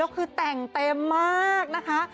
คือแต่งเต็มมากนะคะ